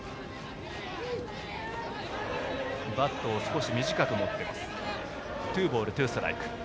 バットを少し短く持っています。